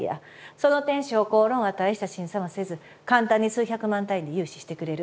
その点商工ローンは大した審査もせず簡単に数百万単位で融資してくれる。